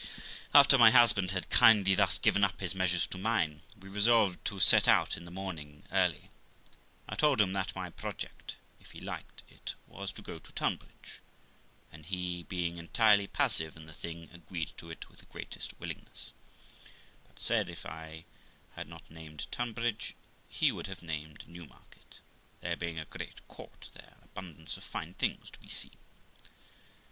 After my husband had kindly thus given up his measures to mine, we resolved to set out in the morning early. I told him that my project, if he liked it, was to go to Tunbridge, and he, being; entirely passive in the thing, agreed to it with the greatest willingness; but said, if I had not named Tunbridge, he would have named Newmarket, there being a great court there, and abundance of fine things to be seen.